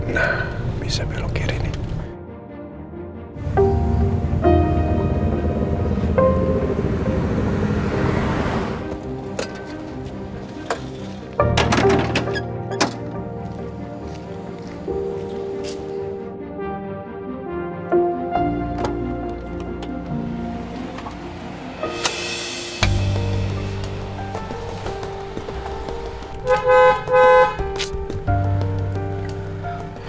nah bisa belok kiri nih